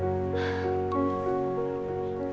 gak pantas sebagai seorang suami itu